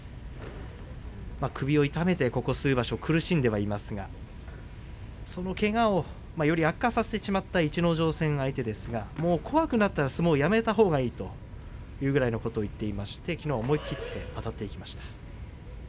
首を痛めてここ数場所苦しんでは入りますがそのけがをより悪化させてしまった逸ノ城戦相手ですが怖くなったら相撲をやめたほうがいいというぐらいのことを言っていましてきのうは思い切ってあたっていきました。